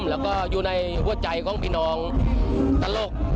แล้วก็อยู่ในหัวใจของพี่น้องตลก